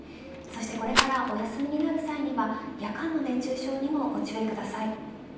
そしてこれから、お休みになる際には夜間の熱中症にもご注意ください。